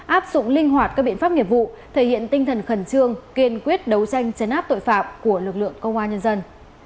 áp dụng linh hoạt các biện pháp nghiệp vụ thể hiện tinh thần khẩn trương kiên quyết đấu tranh chấn áp tội phạm của lực lượng công an nhân dân